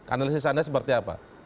analisis anda seperti apa